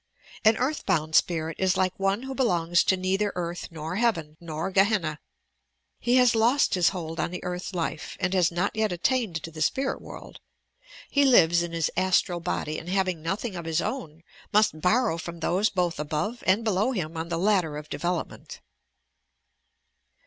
An earthbound spirit is like one who belongs to neither earth nor heaven, nor Oebenna. He has lost his hold on the earth life and OBSESSION AND INSANITY 203 has not yet attaiued to the spirit world. He lives in his astral body and having nothing of bis own, must borrow from Ihosp both above and below him on the Udder of development.